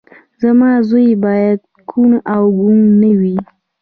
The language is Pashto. زما زوی باید کوڼ او ګونګی نه وي